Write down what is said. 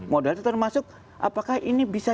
modal itu termasuk apakah ini bisa